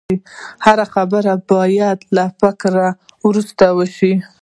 هره خبره باید له فکرو وروسته وشي